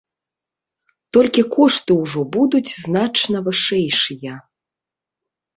Толькі кошты ўжо будуць значна вышэйшыя.